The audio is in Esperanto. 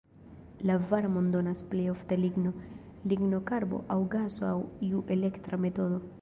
La varmon donas plej ofte ligno, lignokarbo aŭ gaso aŭ iu elektra metodo.